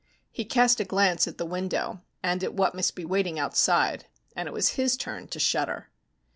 He cast a glance at the window and at what must be waiting outside, and it was his turn to shudder.